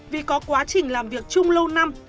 vì có quá trình làm việc chung lâu năm